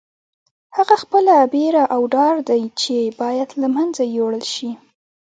هغه خپله بېره او ډار دی چې باید له منځه یوړل شي.